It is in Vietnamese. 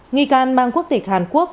nghi can mang quốc tịch hàn quốc